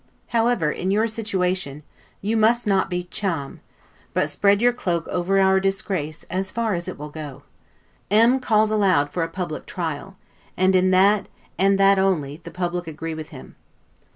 However, in your situation, you must not be Cham; but spread your cloak over our disgrace, as far as it will go. M t calls aloud for a public trial; and in that, and that only, the public agree with him.